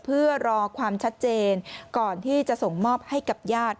เพื่อรอความชัดเจนก่อนที่จะส่งมอบให้กับญาติ